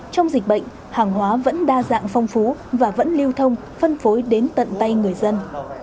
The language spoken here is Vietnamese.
trong dịch bệnh hàng hóa vẫn đa dạng phong phú và vẫn lưu thông phân phối đến tận tay người dân